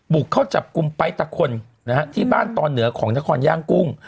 บุกเข้าจับกลุ่มไป๊ตะคนนะฮะที่บ้านตอนเหนือของนครย่างกุ้ง